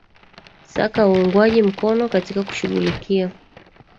saka uungwaji mkono katika kushughulikia